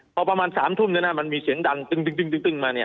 พอประมาณ๓ทุ่มเนี่ยนะครับมันมีเสียงดันตึงมาเนี่ย